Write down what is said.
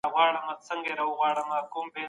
راسته افکارو هم تاریخ تحریف کړ.